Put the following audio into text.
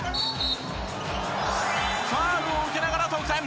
ファウルを受けながら得点。